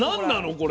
これ。